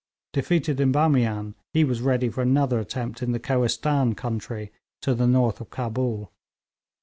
Defeated in Bamian, he was ready for another attempt in the Kohistan country to the north of Cabul.